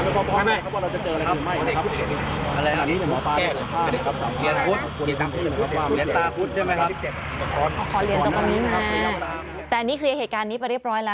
ขอเหรียญจากตรงนี้มาแต่นี่เคลียร์เหตุการณ์นี้ไปเรียบร้อยแล้ว